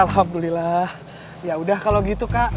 alhamdulillah ya udah kalau gitu kak